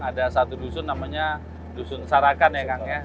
ada satu dusun namanya dusun sarakan ya kang ya